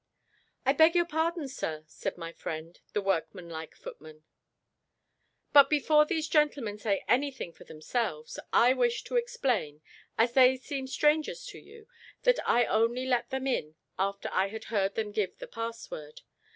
"I beg your pardon, sir," said my friend, the workman like footman; "but before these gentlemen say anything for themselves, I wish to explain, as they seem strangers to you, that I only let them in after I had heard them give the password.